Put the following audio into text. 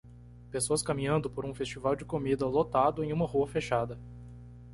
Pessoas caminhando por um festival de comida lotado em uma rua fechada